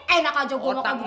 enak aja gue mau pakai begini